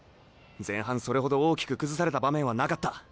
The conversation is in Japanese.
前半それほど大きく崩された場面はなかった。